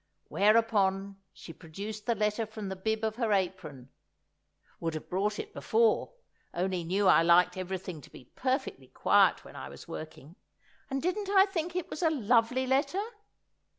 Whereupon she produced the letter from the bib of her apron—would have brought it before, only knew I liked everything to be perfectly quiet when I was working—and didn't I think it was a lovely letter?